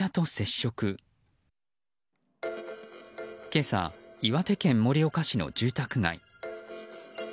今朝、岩手県盛岡市の住宅街。